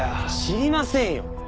知りませんよ！